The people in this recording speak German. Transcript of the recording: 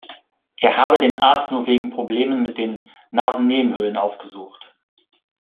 Er habe den Arzt nur wegen Problemen mit den Nasennebenhöhlen aufgesucht.